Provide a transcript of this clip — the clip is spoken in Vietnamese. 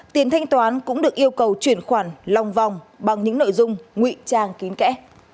tiền thanh toán cũng được yêu cầu chuyển khoản lòng vòng bằng những nội dung ngụy trang kín kẽ